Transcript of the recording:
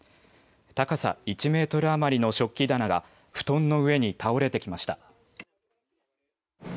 高さ１メートル余りの食器棚が布団の上に倒れてきました。